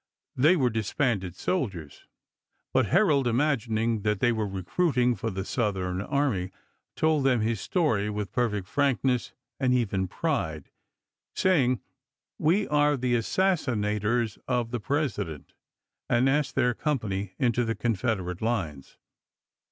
They were dis banded soldiers ; but Herold, imagining that they were recruiting for the Southern army, told them his story with perfect frankness and even pride, saying, "We are the assassinators of the Presi dent," and asked their company into the Confed erate lines.